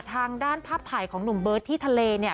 ทางด้านภาพถ่ายของหนุ่มเบิร์ตที่ทะเลเนี่ย